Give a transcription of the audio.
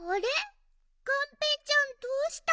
がんぺーちゃんどうしたの？